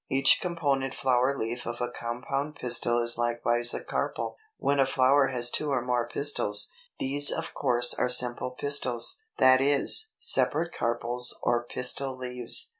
Each component flower leaf of a compound pistil is likewise a carpel. When a flower has two or more pistils, these of course are simple pistils, that is, separate carpels or pistil leaves.